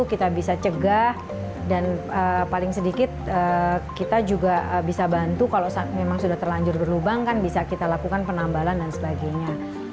kita bisa cegah dan paling sedikit kita juga bisa bantu kalau memang sudah terlanjur berlubang kan bisa kita lakukan penambalan dan sebagainya